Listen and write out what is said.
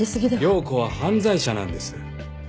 涼子は犯罪者なんです。